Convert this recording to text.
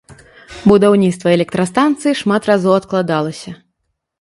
Будаўніцтва электрастанцыі шмат разоў адкладалася.